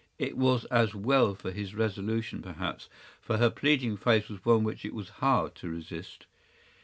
It was as well for his resolution, perhaps, for her pleading face was one which it was hard to resist.